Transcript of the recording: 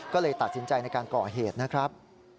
ก็เลยตัดสินใจในการก่อเหตุนะครับ